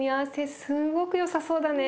すごくよさそうだね。